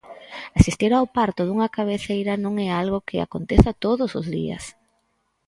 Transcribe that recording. Asistir ao parto dunha cabeceira non é algo que aconteza todos os días.